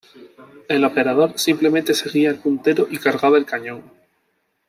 El operador simplemente seguía el puntero y cargaba el cañón.